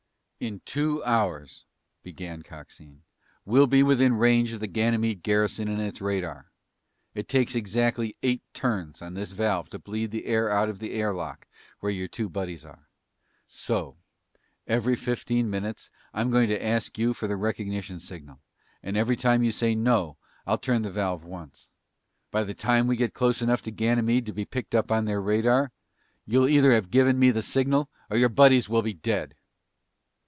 "In two hours," began Coxine, "we'll be within range of the Ganymede garrison and its radar. It takes exactly eight turns on this valve to bleed the air out of the air lock where your two buddies are. So, every fifteen minutes I'm going to ask you for the recognition signal, and every time you say no, I'll turn the valve once. By the time we get close enough to Ganymede to be picked up on their radar, you'll either have given me the signal or your buddies will be dead!"